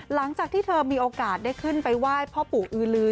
หลังจากที่เธอมีโอกาสได้ขึ้นไปไหว้พ่อปู่อือลือ